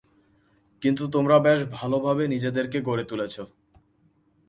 কিন্তু তোমরা বেশ ভালোভাবে নিজেদেরকে গড়ে তুলেছো।